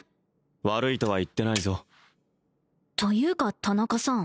悪いとは言ってないぞというか田中さん